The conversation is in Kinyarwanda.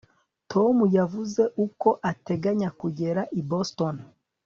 tom yavuze uko ateganya kugera i boston